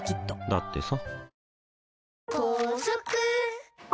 だってさ